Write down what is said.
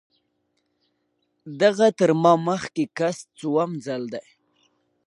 دغه تر ما مخکې کس څووم ځل دی.